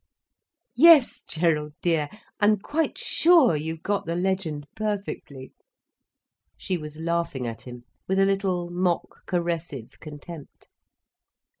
"Yes, Gerald dear, I'm quite sure you've got the legend perfectly." She was laughing at him, with a little, mock caressive contempt.